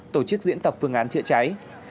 tổ chức diễn tập phương án chữa cháy